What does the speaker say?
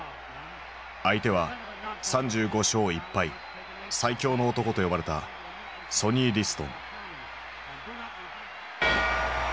相手は３５勝１敗「最強の男」と呼ばれたソニー・リストン。